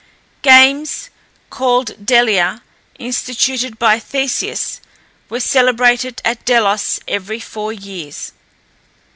Games, called Delia, instituted by Theseus, were celebrated at Delos every four years.